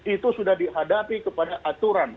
itu sudah dihadapi kepada aturan